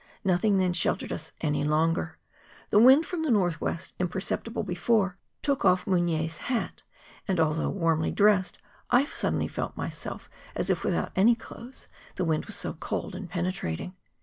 Nothing then sheltered u«5 any longer ; the wind from the north west, im¬ perceptible before, took off Mugnier's hat, and, al though warnaly dressed, I suddenly felt myself as if without any clothes, the wind was so cold and pene¬ trating.